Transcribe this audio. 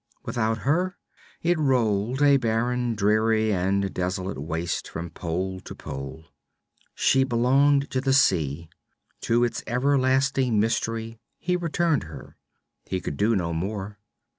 Without her it rolled a barren, dreary and desolate waste from pole to pole. She belonged to the sea; to its everlasting mystery he returned her. He could do no more.